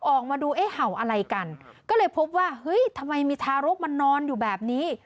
ออกมาดูเอ๊ะเห่าอะไรกันก็เลยพบว่าเฮ้ยทำไมมีทารกมานอนอยู่แบบนี้